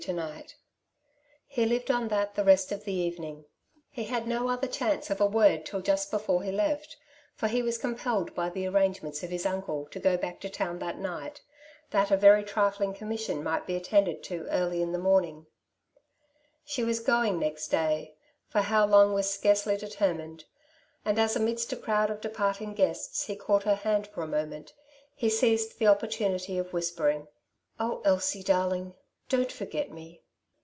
• Use Hred en that th r re^^ of tbe tvfaajr^jr ; he had 72 " Two Sides to every Question,^^ no other chance of a word till jnst before he left, for he was compelled by the arrangements of his unde to go back to town that night, that a very trifling commission might be attended to early in the morn ing. She was going next day — for how long waa scarcely determined ; and as amidst a crowd of de parting guests he caught her hand for a moment, he seized the opportunity of whispering, —'^ Oh, Elsie darling, don^t forget me